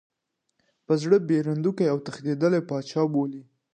بې زړه، بېرندوکی او تښتېدلی پاچا بولي.